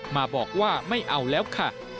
มาบอกว่าไม่เอาแล้วค่ะ